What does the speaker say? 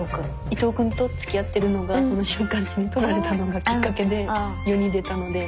伊藤君とつきあってるのが週刊誌に撮られたのがきっかけで世に出たので。